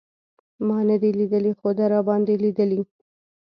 ما نه دی لېدلی خو ده راباندې لېدلی.